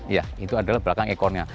iya itu adalah belakang ekornya